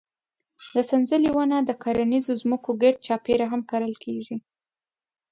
د سنځلې ونه د کرنیزو ځمکو ګرد چاپېره هم کرل کېږي.